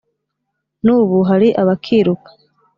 n'ubu hari abakiruka